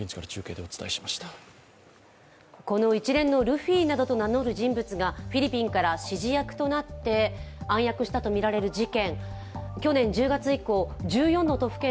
この一連のルフィなどと名乗る人物がフィリピンから指示役となって暗躍したとみられる事件。